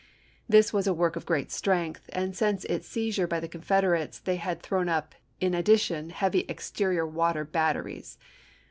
This was a work of great strength, and since its seizure by the Confederates they had thrown up in addition heavy exterior water bat teries.